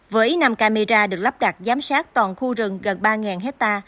với năm camera được lắp đặt giám sát toàn khu rừng gần ba ha